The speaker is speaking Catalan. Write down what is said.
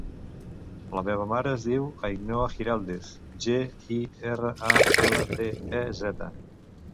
La meva mare es diu Ainhoa Giraldez: ge, i, erra, a, ela, de, e, zeta.